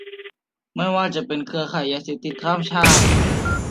ไม่ว่าจะเป็นเครือข่ายยาเสพติดข้ามชาติ